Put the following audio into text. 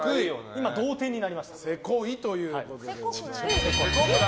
今、同点になりました。